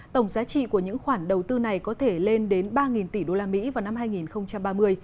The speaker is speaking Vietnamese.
tổng giá trị của những khoản đầu tư này có thể lên đến ba tỷ đô la mỹ vào năm hai nghìn ba mươi